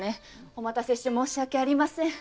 お待たせして申し訳ありません。